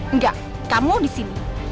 enggak kamu di sini